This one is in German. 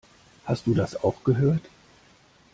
Hast du das auch gehört?